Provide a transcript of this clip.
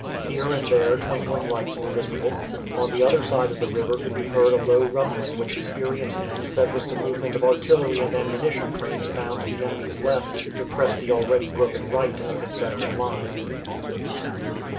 Here and there twinkling lights were visible. On the other side of the river could be heard a low rumbling which experienced men said was the movement of artillery and ammunition trains bound to the enemy's left to press the already broken right of the Confederate line.